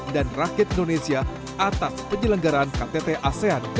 dan rakyat indonesia atas penyelenggaraan ktt asean ke empat puluh tiga